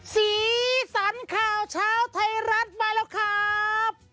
สีสันข่าวเช้าไทยรัฐมาแล้วครับ